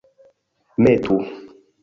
metu